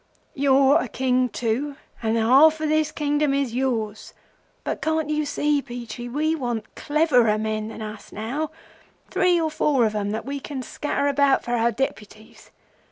'You're a King too, and the half of this Kingdom is yours; but can't you see, Peachey, we want cleverer men than us now—three or four of 'em that we can scatter about for our Deputies?